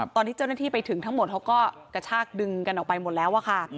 ตอนที่เจ้าหน้าที่ไปถึงทั้งหมดเขาก็กระชากดึงกันออกไปหมดแล้วอะค่ะ